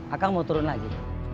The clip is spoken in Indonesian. akang mau turun lagi